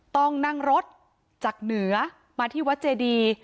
ต้องนั่งรถจากเหนือมาที่วัดเจดี